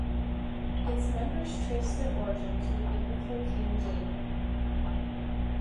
Its members trace their origin to the biblical King David.